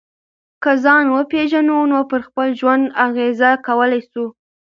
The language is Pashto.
که ځان وپېژنو نو پر خپل ژوند اغېزه کولای سو.